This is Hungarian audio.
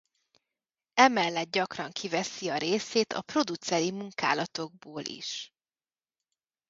Emellett gyakran kiveszi a részét a produceri munkálatokból is.